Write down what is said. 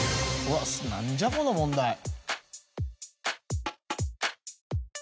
うわ何じゃこの問題。